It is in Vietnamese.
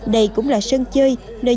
đây cũng là sân chơi